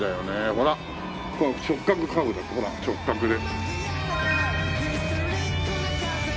ほらここは直角カーブだほら直角で。